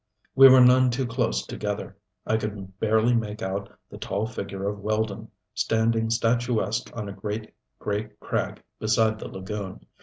We were none too close together. I could barely make out the tall figure of Weldon, standing statuesque on a great, gray crag beside the lagoon.